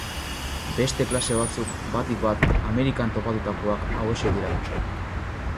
Beste klase batzuk, batik bat Amerikan topatutakoak hauexek dira.